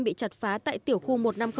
bị chặt phá tại tiểu khu một nghìn năm trăm linh